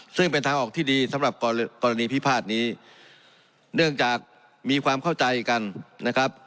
ซึ่งเป็นทางออกที่ดีสำหรับกรณีพิพาทนี้เนื่องจากมีความเข้าใจกันนะครับ